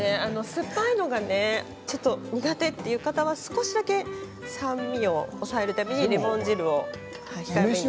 酸っぱいのが苦手という方は少しだけ酸味を抑えるためにレモン汁を控えめに。